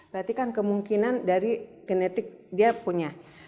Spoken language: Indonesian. berarti kan kemungkinan dari genetik dia punya